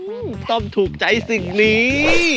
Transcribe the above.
ต้องถูกใจสิ่งนี้